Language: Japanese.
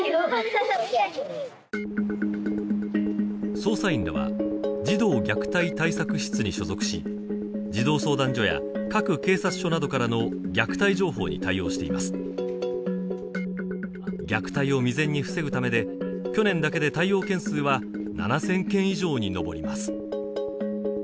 捜査員らは児童虐待対策室に所属し児童相談所や各警察署などからの虐待情報に対応しています虐待を未然に防ぐためで去年だけで対応件数は７０００件以上に上ります